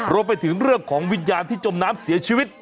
รวมไปถึงเรื่องของวิญญาณที่จมน้ำเสียชีวิต